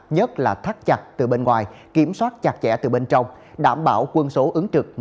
nhất là thắt chặt từ bên ngoài kiểm soát chặt chẽ từ bên trong đảm bảo quân số ứng trực một trăm linh